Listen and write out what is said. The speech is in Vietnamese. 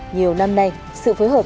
nhiều năm nay sự phối hợp